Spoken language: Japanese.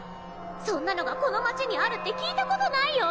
そんなのがこの街にあるって聞いたことないよ！？